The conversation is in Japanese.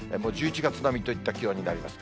１１月並みといった気温になります。